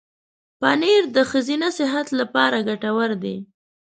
پنېر د ښځینه صحت لپاره ګټور دی.